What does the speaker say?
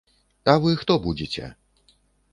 А вы хто будзеце?